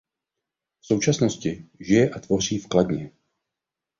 V současnosti žije a tvoří v Kladně.